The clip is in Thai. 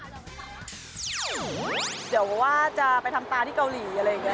เดี๋ยวว่าจะไปทำปลาที่เกาหลีอะไรอย่างนี้